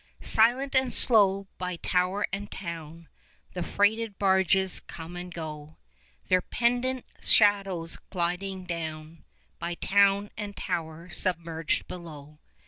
20 Silent and slow, by tower and town The freighted barges come and go, Their pendent shadows gliding down By town and tower submerged below.